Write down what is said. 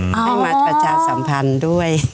ให้มาประชาสัมพันธ์ด้วย